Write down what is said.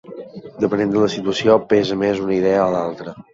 Depenent de la situació pesa més una idea o l'altra.